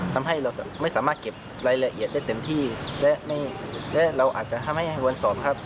ทำให้เราไม่สามารถเก็บรายละเอียดได้เต็มที่และไม่และเราอาจจะทำให้วันสอบครับ